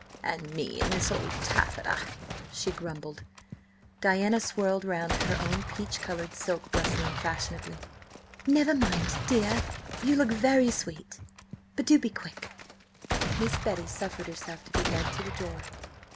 "And me in this old taffeta!" she grumbled. Diana swirled round, her own peach coloured silk rustling fashionably. "Never mind, dear–you look very sweet. But do be quick!" Miss Betty suffered herself to be led to the door.